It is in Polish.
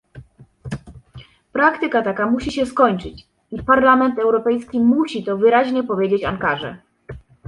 Praktyka taka musi się skończyć i Parlament Europejski musi to wyraźnie powiedzieć Ankarze